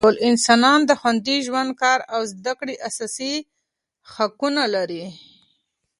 ټول انسانان د خوندي ژوند، کار او زده کړې اساسي حقونه لري.